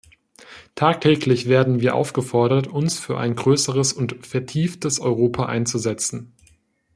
Tagtäglich werden wir aufgefordert, uns für ein größeres und vertieftes Europa einzusetzen.